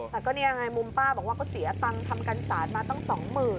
แต่ก็นี่ไงมุมป้าบอกว่าเขาเสียตังค์ทำกันสารมาตั้ง๒๐๐๐